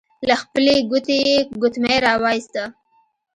له خپلې ګوتې يې ګوتمۍ را وايسته.